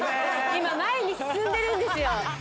今前に進んでるんですよ